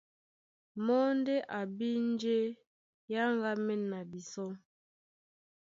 Mɔ́ ndé a bí njé é áŋgámɛ́n na bisɔ́.